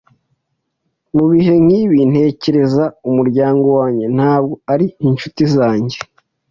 Mu bihe nk'ibi, ntekereza umuryango wanjye, ntabwo ari inshuti zanjye.